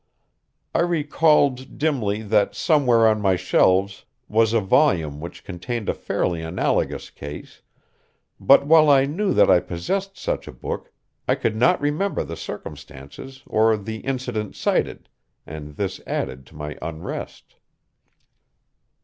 I recalled dimly that somewhere on my shelves was a volume which contained a fairly analogous case, but while I knew that I possessed such a book I could not remember the circumstances or the incidents cited, and this added to my unrest.